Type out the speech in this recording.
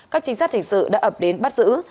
các chính sách hình sự đã ập đến bắt giữ